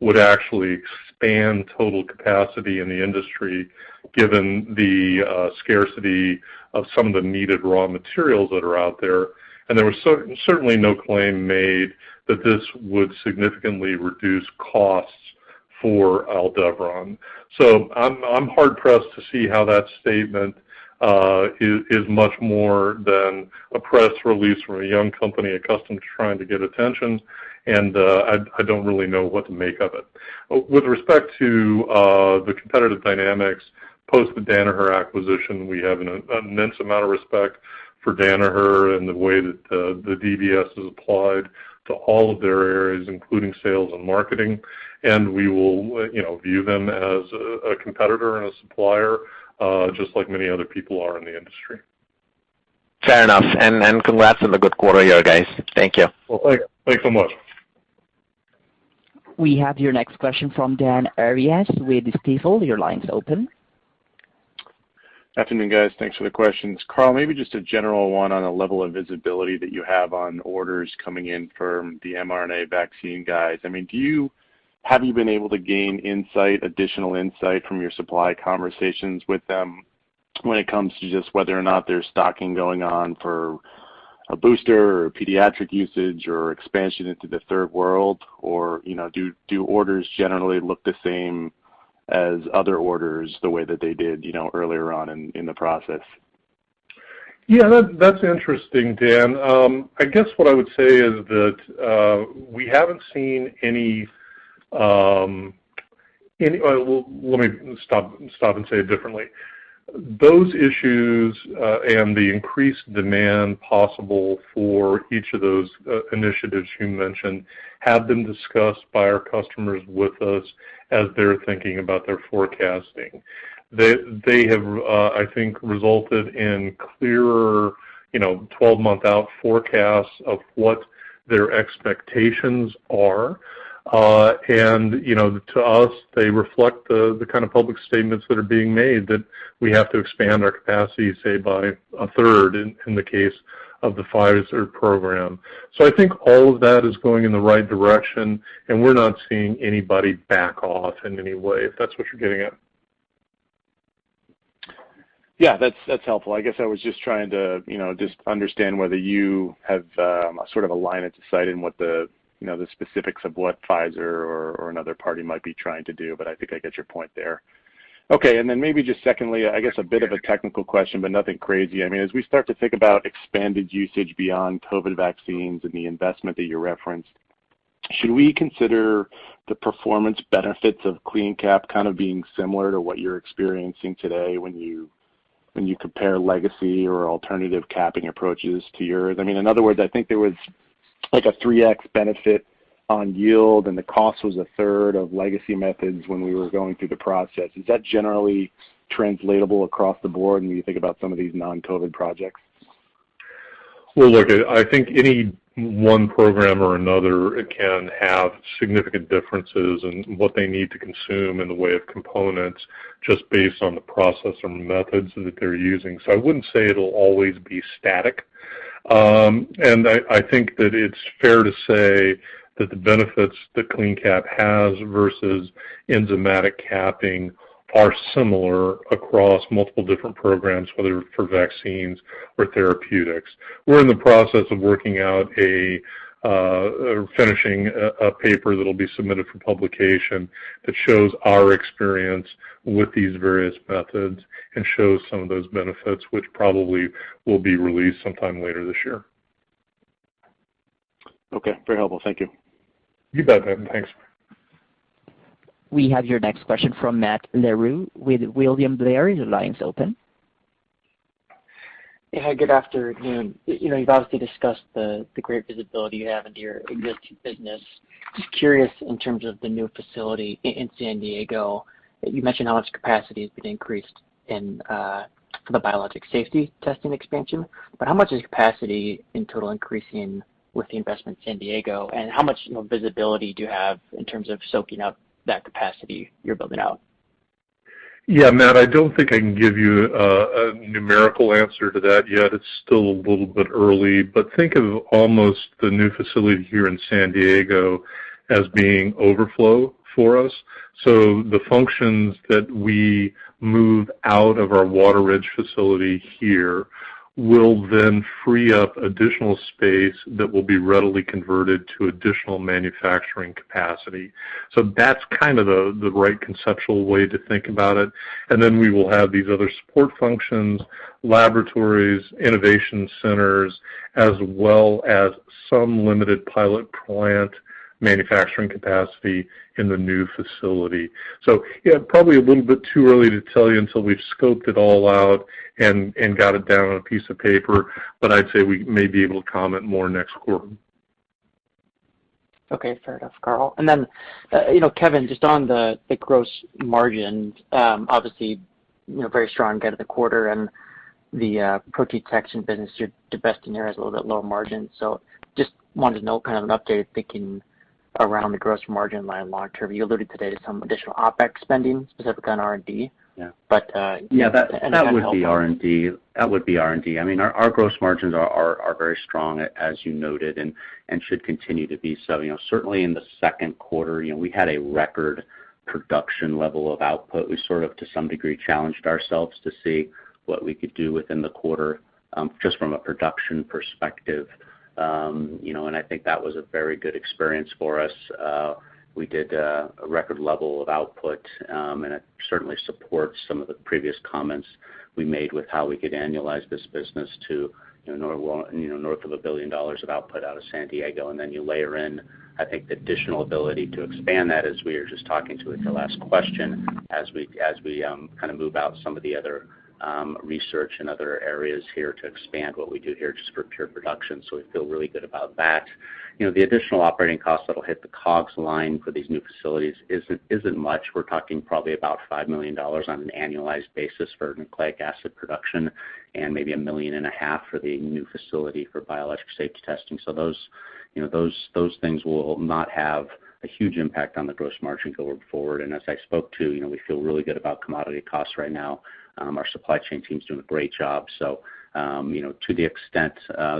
would actually expand total capacity in the industry given the scarcity of some of the needed raw materials that are out there. There was certainly no claim made that this would significantly reduce costs for Aldevron. I'm hard pressed to see how that statement is much more than a press release from a young company accustomed to trying to get attention. I don't really know what to make of it. With respect to the competitive dynamics post the Danaher acquisition, we have an immense amount of respect for Danaher and the way that the DBS is applied to all of their areas, including sales and marketing. We will view them as a competitor and a supplier, just like many other people are in the industry. Fair enough. Congrats on the good quarter here, guys. Thank you. Well, thanks so much. We have your next question from Dan Arias with Stifel. Your line's open. Afternoon, guys. Thanks for the questions. Carl, maybe just a general one on a level of visibility that you have on orders coming in from the mRNA vaccine guys. Have you been able to gain additional insight from your supply conversations with them when it comes to just whether or not there's stocking going on for a booster or pediatric usage or expansion into the third world? Do orders generally look the same as other orders the way that they did earlier on in the process? Yeah, that's interesting, Dan. I guess what I would say is that we haven't seen. Let me stop and say it differently. Those issues, and the increased demand possible for each of those initiatives you mentioned have been discussed by our customers with us as they're thinking about their forecasting. They have, I think resulted in clearer 12-month out forecasts of what their expectations are. To us, they reflect the kind of public statements that are being made that we have to expand our capacity, say, by a third in the case of the Pfizer program. I think all of that is going in the right direction, and we're not seeing anybody back off in any way, if that's what you're getting at. Yeah, that's helpful. I guess I was just trying to just understand whether you have sort of a line of sight in what the specifics of what Pfizer or another party might be trying to do, but I think I get your point there. Okay. Then maybe just secondly, I guess a bit of a technical question, but nothing crazy. As we start to think about expanded usage beyond COVID vaccines and the investment that you referenced, should we consider the performance benefits of CleanCap kind of being similar to what you're experiencing today when you compare legacy or alternative capping approaches to yours? In other words, I think there was like a 3x benefit on yield, and the cost was a third of legacy methods when we were going through the process. Is that generally translatable across the board when you think about some of these non-COVID projects? I think any one program or another can have significant differences in what they need to consume in the way of components just based on the process or methods that they're using. I wouldn't say it'll always be static. I think that it's fair to say that the benefits that CleanCap has versus enzymatic capping are similar across multiple different programs, whether for vaccines or therapeutics. We're in the process of working out a finishing a paper that'll be submitted for publication that shows our experience with these various methods and shows some of those benefits which probably will be released sometime later this year. Okay. Very helpful. Thank you. You bet, Dan. Thanks. We have your next question from Matt Larew with William Blair. Your line is open. Yeah, good afternoon. You've obviously discussed the great visibility you have into your existing business. Just curious in terms of the new facility in San Diego, you mentioned how much capacity has been increased in the biologic safety testing expansion, but how much is capacity in total increasing with the investment in San Diego, and how much visibility do you have in terms of soaking up that capacity you're building out? Yeah, Matt, I don't think I can give you a numerical answer to that yet. It's still a little bit early, think of almost the new facility here in San Diego as being overflow for us. The functions that we move out of our Wateridge facility here will then free up additional space that will be readily converted to additional manufacturing capacity. We will have these other support functions, laboratories, innovation centers, as well as some limited pilot plant manufacturing capacity in the new facility. Yeah, probably a little bit too early to tell you until we've scoped it all out and got it down on a piece of paper, but I'd say we may be able to comment more next quarter. Okay, fair enough, Carl. Kevin, just on the gross margin, obviously, very strong end of the quarter, and the Protein Detection business you're divesting there has a little bit lower margin. Just wanted to know kind of an update of thinking around the gross margin line long term. You alluded today to some additional OpEx spending specific on R&D. Yeah. But- Yeah, that would be R&D. I mean, our gross margins are very strong, as you noted, and should continue to be so. Certainly in the second quarter, we had a record production level of output. We sort of, to some degree, challenged ourselves to see what we could do within the quarter, just from a production perspective. I think that was a very good experience for us. We did a record level of output, and it certainly supports some of the previous comments we made with how we could annualize this business to north of $1 billion of output out of San Diego. You layer in, I think, the additional ability to expand that as we were just talking to with the last question, as we kind of move out some of the other research and other areas here to expand what we do here just for pure production. We feel really good about that. The additional operating costs that'll hit the COGS line for these new facilities isn't much. We're talking probably about $5 million on an annualized basis for Nucleic Acid Production and maybe a million and a half for the new facility for Biologics Safety Testing. Those things will not have a huge impact on the gross margin going forward. As I spoke to, we feel really good about commodity costs right now. Our supply chain team's doing a great job. To the extent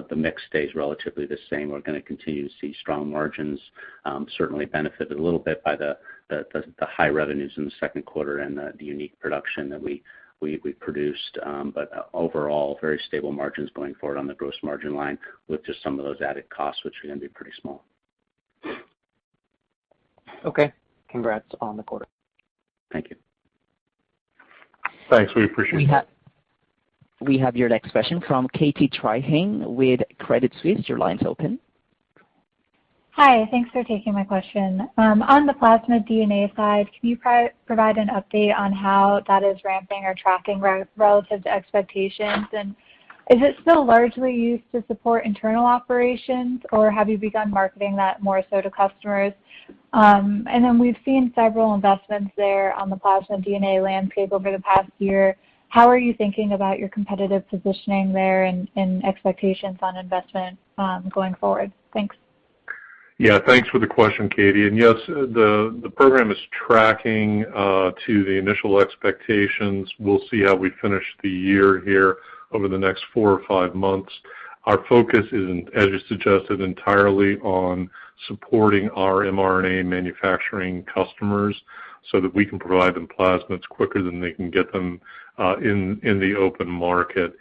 the mix stays relatively the same, we're going to continue to see strong margins, certainly benefited a little bit by the high revenues in the second quarter and the unique production that we produced. Overall, very stable margins going forward on the gross margin line with just some of those added costs, which are going to be pretty small. Okay. Congrats on the quarter. Thank you. Thanks. We appreciate it. We have your next question from Katie Trychin with Credit Suisse. Your line's open. Hi. Thanks for taking my question. On the plasmid DNA side, can you provide an update on how that is ramping or tracking relative to expectations? Is it still largely used to support internal operations, or have you begun marketing that more so to customers? We've seen several investments there on the plasmid DNA landscape over the past year. How are you thinking about your competitive positioning there and expectations on investment going forward? Thanks. Yeah. Thanks for the question, Katie. Yes, the program is tracking to the initial expectations. We'll see how we finish the year here over the next four or five months. Our focus is, as you suggested, entirely on supporting our mRNA manufacturing customers so that we can provide them plasmids quicker than they can get them in the open market.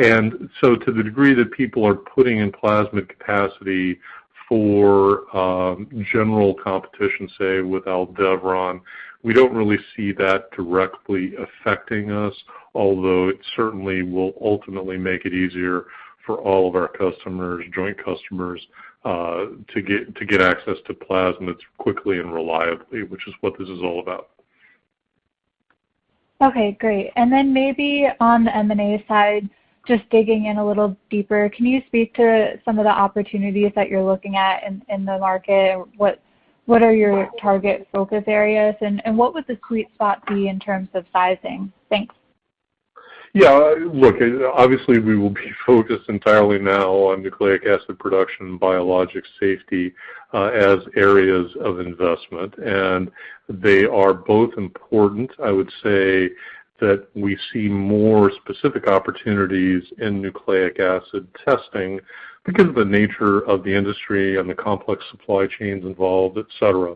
To the degree that people are putting in plasmid capacity for general competition, say with Aldevron, we don't really see that directly affecting us, although it certainly will ultimately make it easier for all of our customers, joint customers, to get access to plasmids quickly and reliably, which is what this is all about. Okay, great. Maybe on the M&A side, just digging in a little deeper, can you speak to some of the opportunities that you're looking at in the market? What are your target focus areas, and what would the sweet spot be in terms of sizing? Thanks. Look, obviously, we will be focused entirely now on Nucleic Acid Production, Biologics Safety Testing, as areas of investment, and they are both important. I would say that we see more specific opportunities in nucleic acid testing because of the nature of the industry and the complex supply chains involved, et cetera.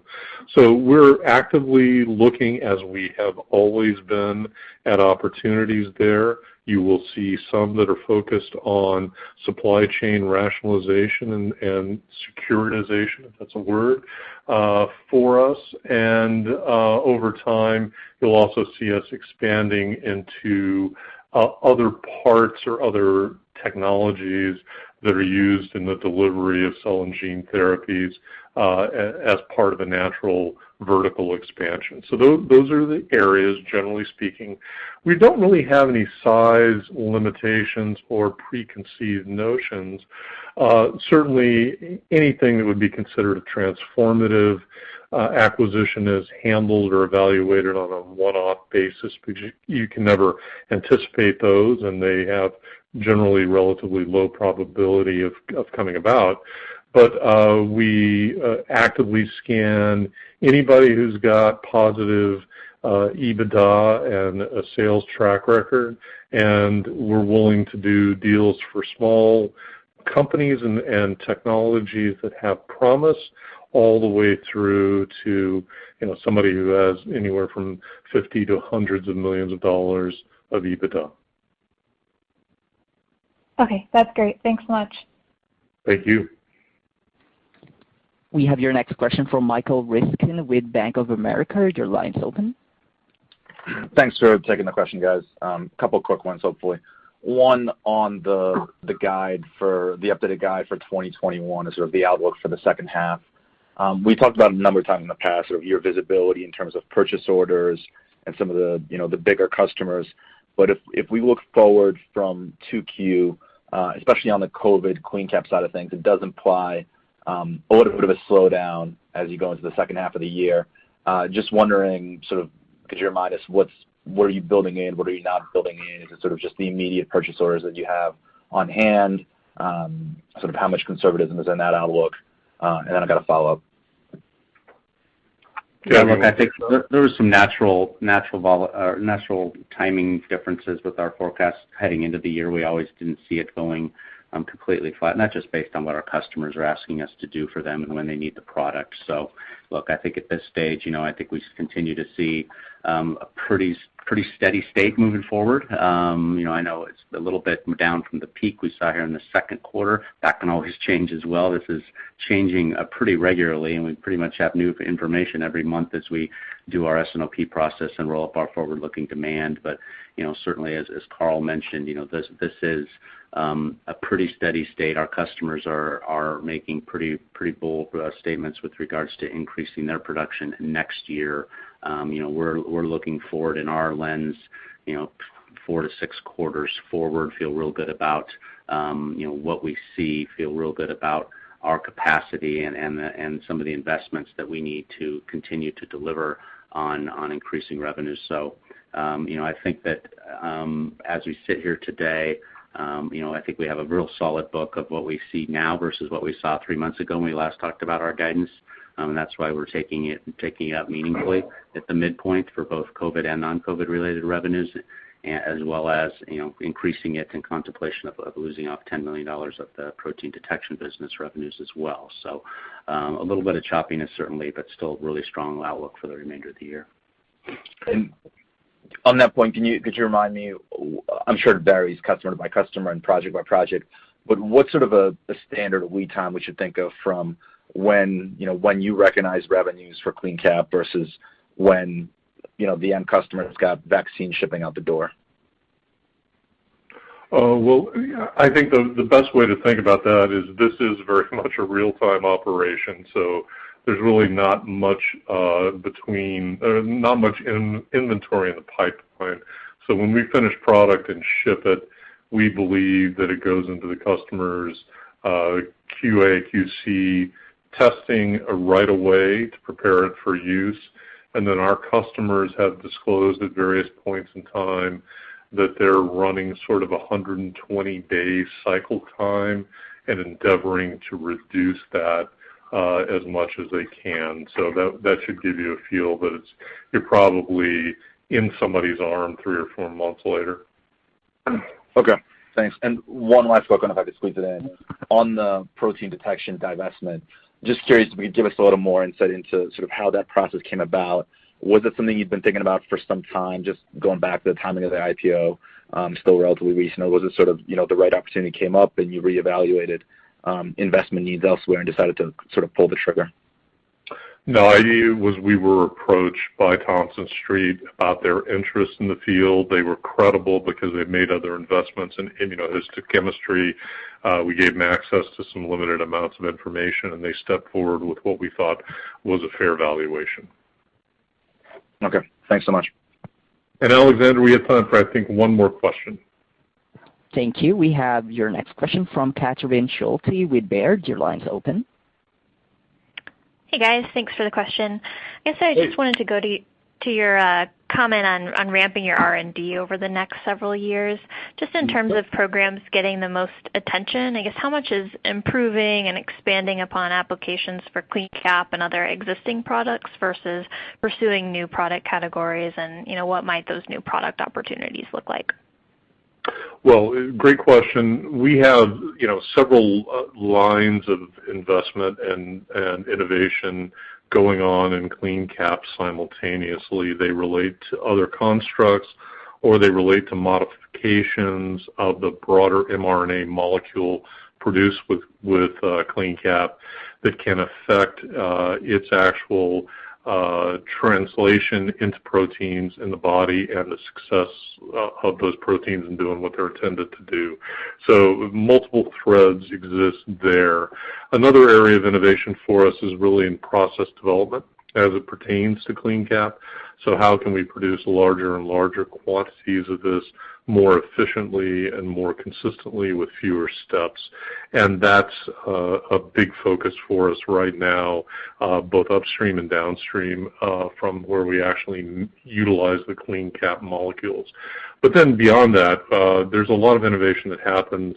We're actively looking, as we have always been, at opportunities there. You will see some that are focused on supply chain rationalization and securitization, if that's a word, for us. Over time, you'll also see us expanding into other parts or other technologies that are used in the delivery of cell and gene therapies as part of a natural vertical expansion. Those are the areas, generally speaking. We don't really have any size limitations or preconceived notions. Certainly anything that would be considered a transformative acquisition is handled or evaluated on a one-off basis. You can never anticipate those, and they have generally relatively low probability of coming about. We actively scan anybody who's got positive EBITDA and a sales track record, and we're willing to do deals for small companies and technologies that have promise all the way through to somebody who has anywhere from $50,000 to hundreds of millions of dollars of EBITDA. Okay. That's great. Thanks much. Thank you. We have your next question from Michael Ryskin with Bank of America. Your line is open. Thanks for taking the question, guys. Two quick ones, hopefully. One on the updated guide for 2021 and sort of the outlook for the second half. We talked about a number of times in the past of your visibility in terms of POs and some of the bigger customers. If we look forward from 2Q, especially on the COVID CleanCap side of things, it does imply a little bit of a slowdown as you go into the second half of the year. Just wondering sort of, could you remind us, what are you building in, what are you not building in? Is it sort of just the immediate POs that you have on hand? Sort of how much conservatism is in that outlook? I've got a follow-up. Yeah. Look, I think there is some natural timing differences with our forecast heading into the year. We always didn't see it going completely flat, not just based on what our customers are asking us to do for them and when they need the product. Look, I think at this stage, I think we continue to see a pretty steady state moving forward. I know it's a little bit down from the peak we saw here in the second quarter. That can always change as well. This is changing pretty regularly, and we pretty much have new information every month as we do our S&OP process and roll up our forward-looking demand. Certainly as Carl mentioned, this is a pretty steady state. Our customers are making pretty bold statements with regards to increasing their production next year. We're looking forward in our lens four to six quarters forward, feel real good about what we see, feel real good about our capacity and some of the investments that we need to continue to deliver on increasing revenues. I think that as we sit here today, I think we have a real solid book of what we see now versus what we saw three months ago when we last talked about our guidance. That's why we're taking it up meaningfully at the midpoint for both COVID and non-COVID related revenues, as well as increasing it in contemplation of losing off $10 million of the protein detection business revenues as well. A little bit of choppiness, certainly, but still really strong outlook for the remainder of the year. On that point, could you remind me, I'm sure it varies customer by customer and project by project, but what sort of a standard lead time we should think of from when you recognize revenues for CleanCap versus when the end customer's got vaccine shipping out the door? Well, I think the best way to think about that is this is very much a real-time operation, so there's really not much inventory in the pipeline. When we finish product and ship it, we believe that it goes into the customer's QA/QC testing right away to prepare it for use. Our customers have disclosed at various points in time that they're running sort of 120-day cycle time and endeavoring to reduce that as much as they can. That should give you a feel that it's probably in somebody's arm three or four months later. Okay, thanks. One last quick one if I could squeeze it in. On the Protein Detection divestment, just curious if you could give us a little more insight into how that process came about. Was it something you'd been thinking about for some time, just going back to the timing of the IPO, still relatively recent, or was it sort of the right opportunity came up and you reevaluated investment needs elsewhere and decided to sort of pull the trigger? No, we were approached by Thompson Street about their interest in the field. They were credible because they've made other investments in immunohistochemistry. We gave them access to some limited amounts of information, and they stepped forward with what we thought was a fair valuation. Okay. Thanks so much. Alexander, we have time for I think one more question. Thank you. We have your next question from Catherine Schulte with Baird. Your line is open. Hey, guys. Thanks for the question. I guess I just wanted to go to your comment on ramping your R&D over the next several years, just in terms of programs getting the most attention, I guess how much is improving and expanding upon applications for CleanCap and other existing products versus pursuing new product categories and what might those new product opportunities look like? Well, great question. We have several lines of investment and innovation going on in CleanCap simultaneously. They relate to other constructs, or they relate to modifications of the broader mRNA molecule produced with CleanCap that can affect its actual translation into proteins in the body and the success of those proteins in doing what they're intended to do. Multiple threads exist there. Another area of innovation for us is really in process development as it pertains to CleanCap. How can we produce larger and larger quantities of this more efficiently and more consistently with fewer steps? That's a big focus for us right now, both upstream and downstream, from where we actually utilize the CleanCap molecules. Beyond that, there's a lot of innovation that happens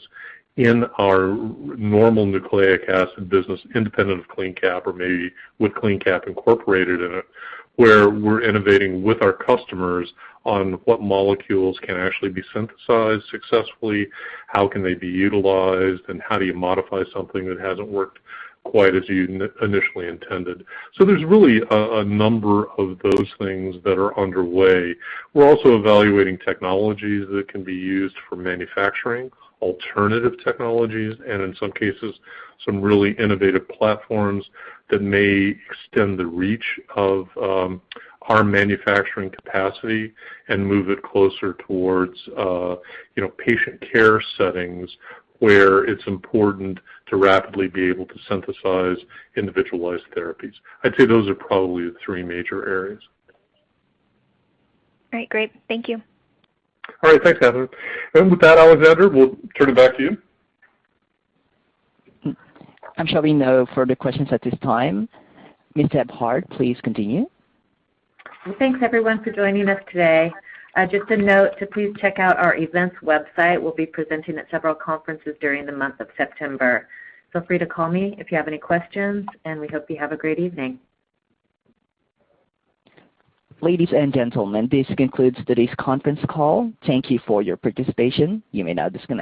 in our normal nucleic acid business, independent of CleanCap or maybe with CleanCap incorporated in it, where we're innovating with our customers on what molecules can actually be synthesized successfully, how can they be utilized, and how do you modify something that hasn't worked quite as you initially intended. There's really a number of those things that are underway. We're also evaluating technologies that can be used for manufacturing alternative technologies and in some cases, some really innovative platforms that may extend the reach of our manufacturing capacity and move it closer towards patient care settings where it's important to rapidly be able to synthesize individualized therapies. I'd say those are probably the three major areas. All right, great. Thank you. All right. Thanks, Catherine. With that, Alexander, we'll turn it back to you. I'm showing no further questions at this time. Ms. Deb Hart, please continue. Well, thanks everyone for joining us today. Just a note to please check out our events website. We'll be presenting at several conferences during the month of September. Feel free to call me if you have any questions, and we hope you have a great evening. Ladies and gentlemen, this concludes today's conference call. Thank you for your participation. You may now disconnect.